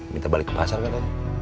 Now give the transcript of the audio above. minta balik ke pasar kanan